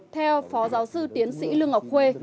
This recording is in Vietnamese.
theo phó giáo sư tiến sĩ lương ngọc khuê